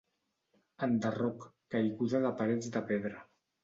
Enderroc, caiguda de parets de pedra.